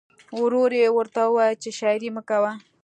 ورور یې ورته وویل چې شاعري مه کوه